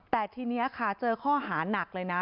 แต่ทีนี้ค่ะเจอข้อหานักเลยนะ